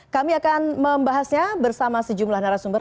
kami akan membahasnya bersama sejumlah narasumber